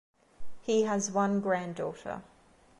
He has one granddaughter.